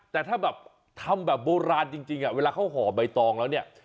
แต่ถ้าแบบทำแบบโบราณจริงเวลาเขาห่อใบตองแล้วเนี่ย